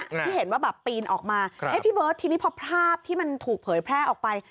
ที่เห็นว่าแบบปีนออกมาเอ๊ะพี่เบิร์ตทีนี้พอภาพที่มันถูกเผยแพร่ออกไป